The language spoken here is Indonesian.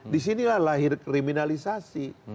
disinilah lahir kriminalisasi